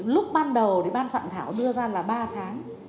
lúc ban đầu thì ban soạn thảo đưa ra là ba tháng